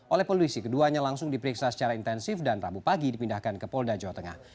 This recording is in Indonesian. oleh polisi keduanya langsung diperiksa secara intensif dan rabu pagi dipindahkan ke polda jawa tengah